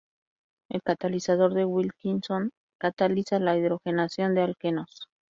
El catalizador de Wilkinson cataliza la hidrogenación de alquenos.